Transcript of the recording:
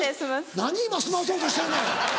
何今済まそうとしてんねん。